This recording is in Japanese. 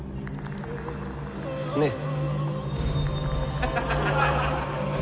ねえ？